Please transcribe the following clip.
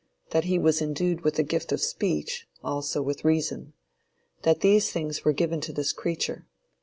That he was endued with the gift of speech, also with reason. That these things were given to this creature.